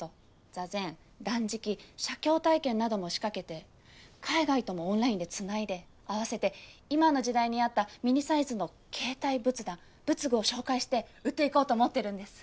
座禅断食写経体験なども仕掛けて海外ともオンラインでつないで併せて今の時代に合ったミニサイズの携帯仏壇仏具を紹介して売っていこうと思ってるんです。